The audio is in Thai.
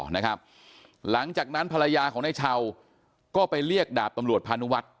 หลังจากนั้นภรรยาของนายเช่าก็ไปเรียกดาบตำรวจพานุวัฒน